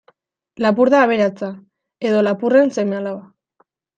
Lapur da aberatsa, edo lapurren seme-alaba.